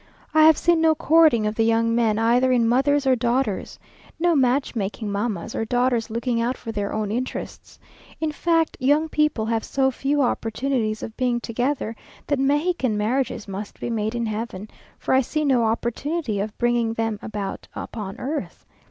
I have seen no courting of the young men either in mothers or daughters; no match making mammas, or daughters looking out for their own interests. In fact, young people have so few opportunities of being together, that Mexican marriages must be made in heaven; for I see no opportunity of bringing them about upon earth!